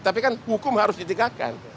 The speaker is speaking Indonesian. tapi kan hukum harus ditingkatkan